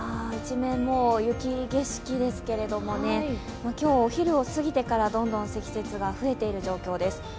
一面、雪景色ですけれども今日お昼を過ぎてからどんどん積雪が増えている状況です。